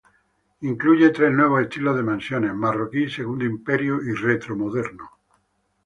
Incluye tres nuevos estilos de mansiones: "Marroquí", "Segundo Imperio" y "Retro Moderno".